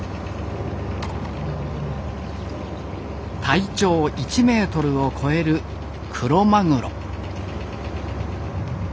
体長１メートルを超えるクロマグロ。